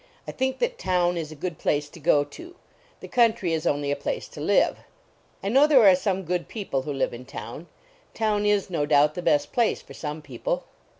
I think that town is a good place to go to. The country is only a place to live. I know there are some good people who live in town. I ".vn is, no doubt, the best place for some people.